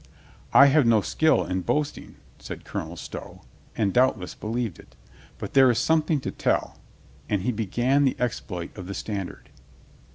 "I have no skill in boasting," said Colonel Stow, and doubtless believed it. "But there is something to tell." And he began the exploit of the standard.